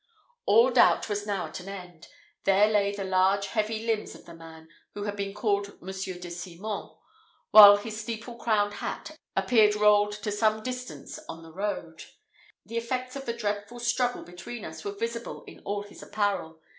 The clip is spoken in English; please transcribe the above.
All doubt was now at an end: there lay the large heavy limbs of the man, who had been called Monsieur de Simon, while his steeple crowned hat appeared rolled to some distance on the road. The effects of the dreadful struggle between us were visible in all his apparel.